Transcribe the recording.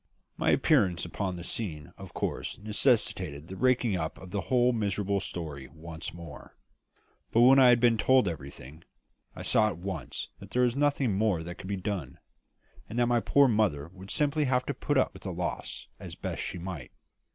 My appearance upon the scene of course necessitated the raking up of the whole miserable story once more; but when I had been told everything, I saw at once that nothing more could be done, and that my poor mother would simply have to put up with the loss as best she might.